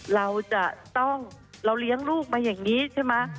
เราจะต้องเราเลี้ยงลูกมาอย่างนี้ใช่ไหม